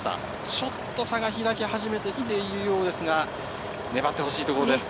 ちょっと差が開き始めてきているようですが、粘ってほしいですね。